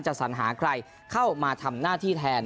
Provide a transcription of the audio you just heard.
สัญหาใครเข้ามาทำหน้าที่แทน